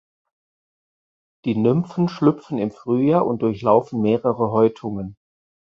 Die Nymphen schlüpfen im Frühjahr und durchlaufen mehrere Häutungen.